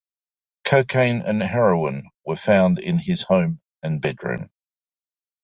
Cocaine and heroin were found in his home and bedroom.